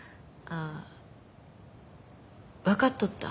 あぁわかっとった？